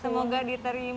masih tujuh belas tahun